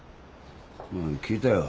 うん聞いたよ。